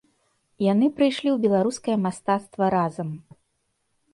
Яны прыйшлі ў беларускае мастацтва разам.